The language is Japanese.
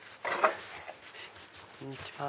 こんにちは。